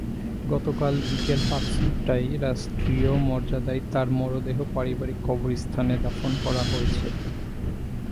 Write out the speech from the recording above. গতকাল বিকেল পাঁচটায় রাষ্ট্রীয় মর্যাদায় তাঁর মরদেহ পারিবারিক কবরস্থানে দাফন করা হয়েছে।